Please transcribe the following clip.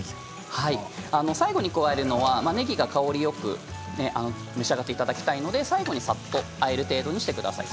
最後に加えるのはねぎが香りよく召し上がっていただきたいので最後にさっとあえる程度にしてください。